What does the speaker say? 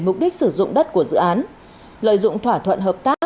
mục đích sử dụng đất của dự án